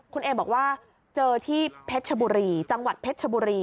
คุณเอบอกว่าเจอที่จังหวัดเพชรบุรี